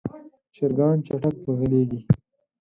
چرګان چټک ځغلېږي.